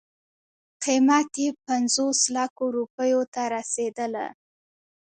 قیمت یې پنځوس لکو روپیو ته رسېدله.